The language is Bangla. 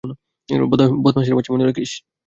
বদমাশের বাচ্চা, মনে রাখিস।